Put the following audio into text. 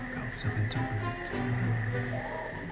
gak usah kenceng anak kita